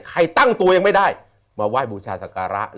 ใครตั้งตัวเองไม่ได้มาไหว้บูชาศักราะห์